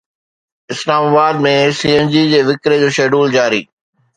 اسلام آباد ۾ C N G جي وڪري جو شيڊول جاري